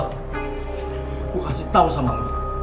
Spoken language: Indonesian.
gue kasih tau sama lo